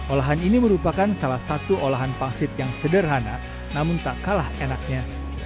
olahan ini merupakan salah satu olahan pangsit yang sederhana namun tak kalah enaknya